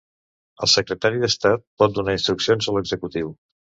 El Secretari d'Estat pot donar instruccions a l'Executiu.